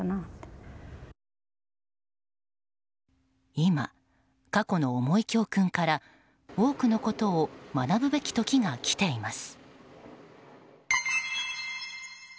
今、過去の重い教訓から多くのことを学ぶべき時が来ています。